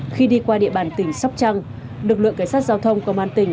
khi đi qua địa bàn tỉnh sóc trăng lực lượng cảnh sát giao thông công an tỉnh